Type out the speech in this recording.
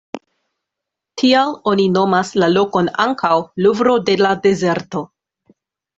Tial oni nomas la lokon ankaŭ ""Luvro de la dezerto"".